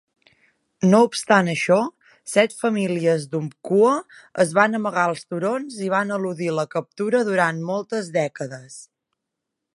No obstant això, set famílies d'Umpqua es van amagar als turons i van eludir la captura durant moltes dècades.